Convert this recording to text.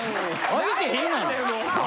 開いてへんがな。